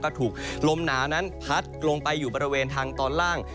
ก็ถูกลมหนาวนั้นพัดลงไปอยู่บริเวณทางตอนล่าง